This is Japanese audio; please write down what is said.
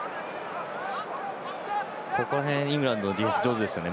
イングランドディフェンス上手ですよね。